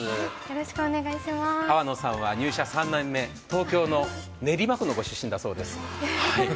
粟野さんは入社３年目、東京の練馬区のご出身だそうです。